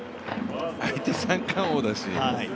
相手、三冠王だし。